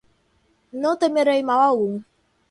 não temerei mal algum.